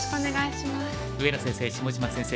上野先生下島先生